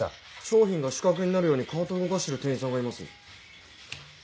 商品が死角になるようにカートを動かしてる店員さんがいます。